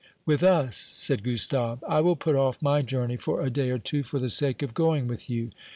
"With us," said Gustave. "I will put off my journey for a day or two for the sake of going with you.